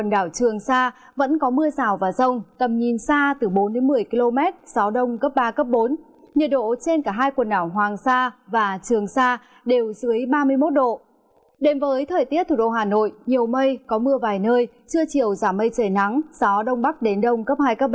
đến với thời tiết thủ đô hà nội nhiều mây có mưa vài nơi trưa chiều giảm mây trời nắng gió đông bắc đến đông cấp hai ba